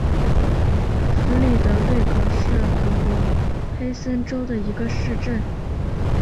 弗里德贝格是德国黑森州的一个市镇。